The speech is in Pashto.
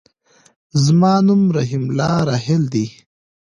زما نوم رحيم الله راحل دی.